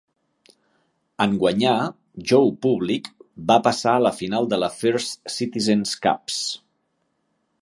En guanyar, Joe Public va passar a la final de la First Citizens Cups.